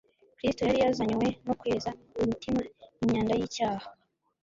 Kristo yari yazanywe no kweza imitima imyanda y'icyaha.